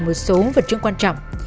một số vật chứng quan trọng